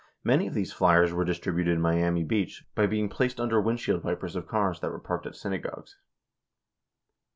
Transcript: Many of these flyers were distributed in Miami Beach, by being placed under windshield wipers of cars that were parked at synagogues.